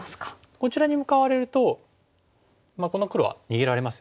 こちらに向かわれるとこの黒は逃げられますよね。